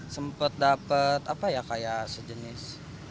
sempet dapet apa ya kayak sejenis